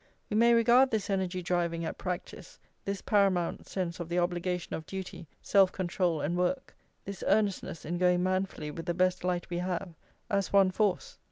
We may regard this energy driving at practice, this paramount sense of the obligation of duty, self control, and work, this earnestness in going manfully with the best light we have, as one force.